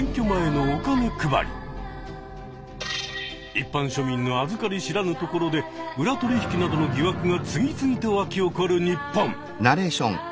一般庶民のあずかり知らぬところで裏取引などの疑惑が次々と沸き起こる日本。